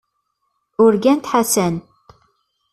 Urgant Ḥasan.